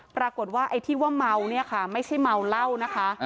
ปรากฏว่าไอ้ที่ว่าเมาเนี่ยค่ะไม่ใช่เมาเหล้านะคะ